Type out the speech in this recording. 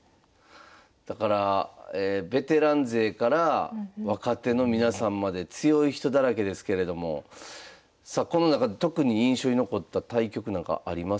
だからベテラン勢から若手の皆さんまで強い人だらけですけれどもさあこの中で特に印象に残った対局なんかありますか？